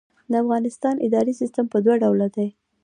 د افغانستان اداري سیسټم په دوه ډوله دی.